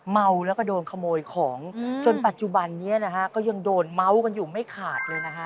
เมาแล้วก็โดนขโมยของจนปัจจุบันนี้นะฮะก็ยังโดนเมาส์กันอยู่ไม่ขาดเลยนะฮะ